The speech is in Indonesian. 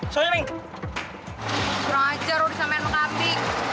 kurang ajar lo bisa main muka api